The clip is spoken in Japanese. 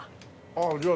ああじゃあ。